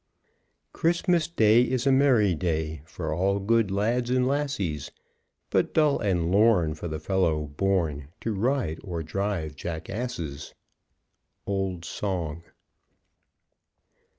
Christmas day is a merry day For all good lads and lassies, But dull and lorn for th' fellow born To ride or drive jackasses. _Old Song.